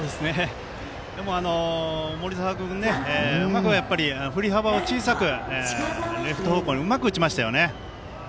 でも、森澤君もふり幅を小さく、レフト方向にうまく打ちましたよね。